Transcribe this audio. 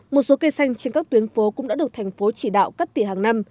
một số cây xanh trên các tuyến phố cũng đã được thành phố chỉ đạo cắt tỉa hàng năm